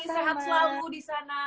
sehat selalu di sana